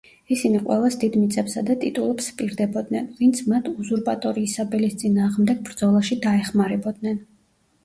ისინი ყველას დიდ მიწებსა და ტიტულებს ჰპირდებოდნენ, ვინც მათ „უზურპატორი ისაბელის“ წინააღმდეგ ბრძოლაში დაეხმარებოდნენ.